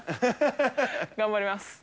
頑張ります。